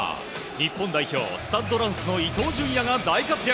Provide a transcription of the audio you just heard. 日本代表、スタッド・ランスの伊東純也が大活躍。